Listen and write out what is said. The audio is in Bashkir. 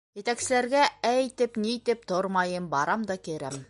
Етәкселәргә әйтеп-нитеп тормайым, барам да керәм.